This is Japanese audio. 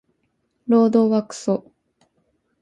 労働はクソ